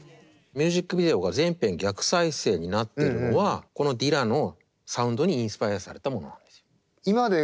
ミュージックビデオが全編逆再生になってるのはこのディラのサウンドにインスパイアされたものなんです。